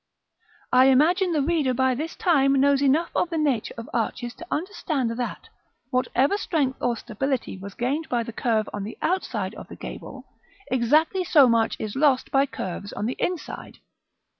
I imagine the reader by this time knows enough of the nature of arches to understand that, whatever strength or stability was gained by the curve on the outside of the gable, exactly so much is lost by curves on the inside.